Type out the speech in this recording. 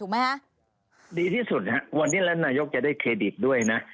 วันนี้แล้วนายกจะได้เครดิตด้วยนะ